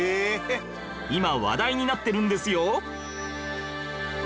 今話題になってるんですよ！